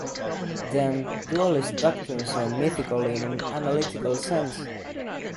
Then, dualist doctrines are mythic in an analytical sense.